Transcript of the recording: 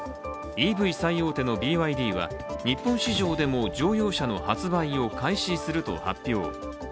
ＥＶ最大手のＢＹＤは、日本市場でも乗用車の発売を開始すると発表。